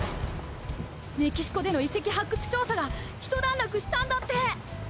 メキシコでの遺跡発掘調査がひと段落したんだって。